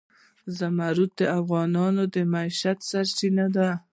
زمرد د افغانانو د معیشت سرچینه ده.